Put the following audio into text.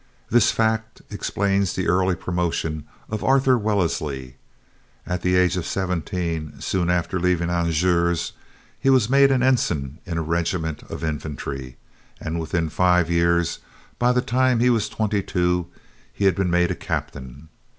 This fact explains the early promotion of Arthur Wellesley. At the age of seventeen, soon after leaving Angers, he was made an ensign in a regiment of infantry, and within five years, by the time he was twenty two, he had been made a captain.